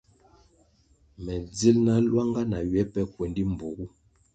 Me dzil na luanga na ywe pe kuendi mbpuogu.